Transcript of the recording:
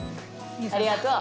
ありがとう。